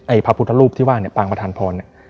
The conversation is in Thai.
พระพุทธรูปที่ว่าเนี่ยปางประธานพรเนี่ย